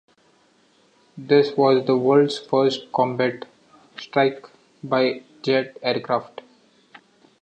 This was the world's first combat strike by jet aircraft.